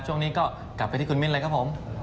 ช่วงนี้ก็กลับไปที่คุณมิ้นเลยครับผม